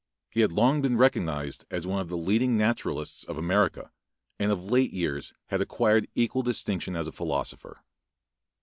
He had long been recognized as one of the leading naturalists of America, and of late years had acquired equal distinction as a philosopher.